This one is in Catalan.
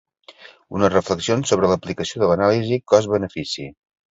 Unes reflexions sobre l'aplicació de l'anàlisi cost-benefici.